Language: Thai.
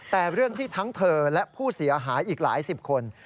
แต่เรื่องที่ทั้งเธอและผู้เสียหายอีกหลายสิบคน